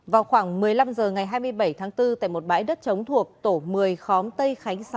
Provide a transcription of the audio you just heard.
vào khoảng một mươi năm h ngày hai mươi bảy tháng bốn tại một bãi đất chống thuộc tổ một mươi khóm tây khánh sáu